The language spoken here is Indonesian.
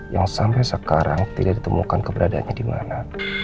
yang sampai sekarang tidak ditemukan keberadaannya dimana